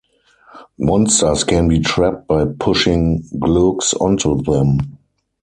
Monsters can be trapped by pushing Glooks onto them.